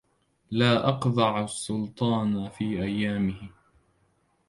لا أقذع السلطان في أيامه